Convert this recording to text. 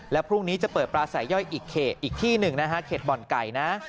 แล้วพรุ่งนี้จะเปิดปลาสายย่อยอีกเขตอีกที่หนึ่งนะฮะเขตบ่อนไก่นะ